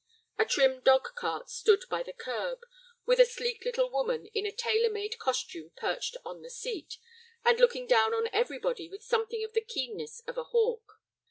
A trim dog cart stood by the curb, with a sleek little woman in a tailor made costume perched on the seat, and looking down on everybody with something of the keenness of a hawk.